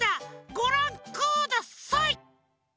ごらんください！